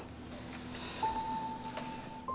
ibu ibu tidak mau